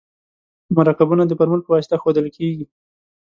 مرکبونه د فورمول په واسطه ښودل کیږي.